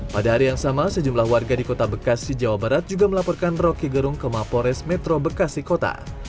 pada hari yang sama sejumlah warga di kota bekasi jawa barat juga melaporkan rocky gerung ke mapores metro bekasi kota